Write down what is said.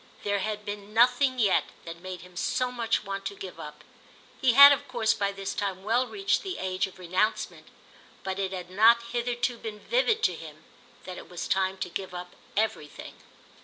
There had been nothing yet that made him so much want to give up. He had of course by this time well reached the age of renouncement; but it had not hitherto been vivid to him that it was time to give up everything.